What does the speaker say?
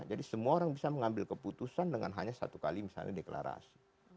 jadi semua orang bisa mengambil keputusan dengan hanya satu kali misalnya deklarasi